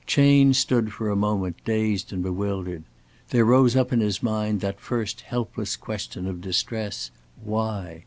Chayne stood for a moment dazed and bewildered. There rose up in his mind that first helpless question of distress, "Why?"